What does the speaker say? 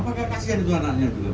apa kasihan itu anaknya